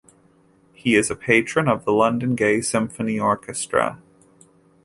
He is a patron of the London Gay Symphony Orchestra.